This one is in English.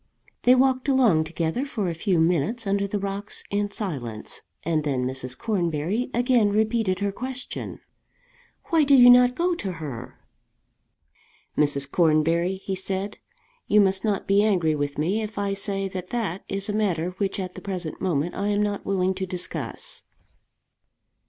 They walked along together for a few minutes under the rocks in silence, and then Mrs. Cornbury again repeated her question, "Why do you not go to her?" "Mrs. Cornbury," he said, "you must not be angry with me if I say that that is a matter which at the present moment I am not willing to discuss."